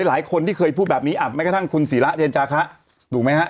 หลายคนที่เคยพูดแบบนี้แม้กระทั่งคุณศิระเจนจาคะถูกไหมฮะ